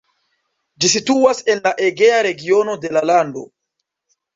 Ĝi situas en la Egea regiono de la lando.